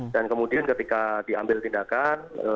dan kemudian ketika diambil tindakan